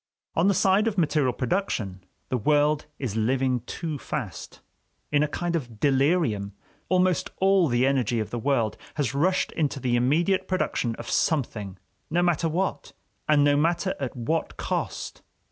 On the side of material production, the world is living too fast; in a kind of delirium, almost all the energy of the world has rushed into the immediate production of something, no matter what, and no matter at what cost.